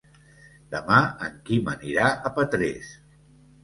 Demà en Quim anirà a Petrés.